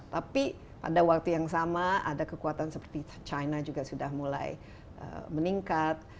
tapi pada waktu yang sama ada kekuatan seperti china juga sudah mulai meningkat